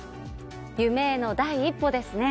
夢への第一歩ですね。